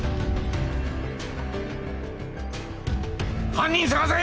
犯人捜せ！